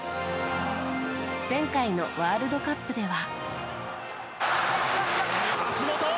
前回のワールドカップでは。